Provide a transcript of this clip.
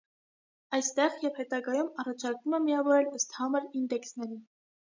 Այստեղ, և հետագայում, առաջարկվում է միավորել ըստ համր ինդեկսների։